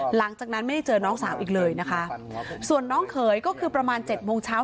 หลังจากนั้นไม่ได้เจอน้องสาวอีกเลยนะคะส่วนน้องเขยก็คือประมาณเจ็ดโมงเช้า